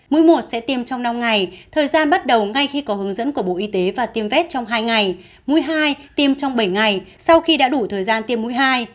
mũi một sẽ tiêm trong năm ngày thời gian bắt đầu ngay khi có hướng dẫn của bộ y tế và tiêm vét trong hai ngày mũi hai tiêm trong bảy ngày sau khi đã đủ thời gian tiêm mũi hai